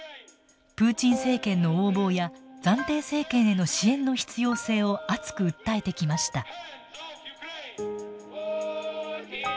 プーチン政権の横暴や暫定政権への支援の必要性を熱く訴えてきました。